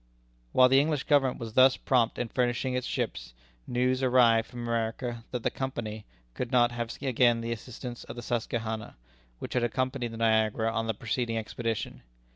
While the English Government was thus prompt in furnishing its ships, news arrived from America that the Company could not have again the assistance of the Susquehanna, which had accompanied the Niagara on the preceding expedition.